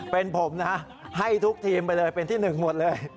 เป็นผมนะให้ทุกทีมไปเลยเป็นที่หนึ่งหมดเลย